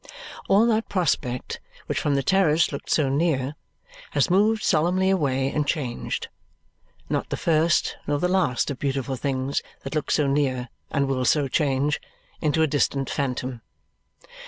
All that prospect, which from the terrace looked so near, has moved solemnly away and changed not the first nor the last of beautiful things that look so near and will so change into a distant phantom.